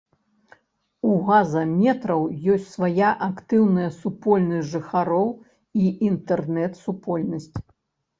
У газаметраў ёсць свая актыўная супольнасць жыхароў і інтэрнэт-супольнасць.